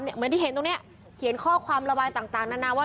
เหมือนที่เห็นตรงนี้เขียนข้อความระบายต่างนานาว่า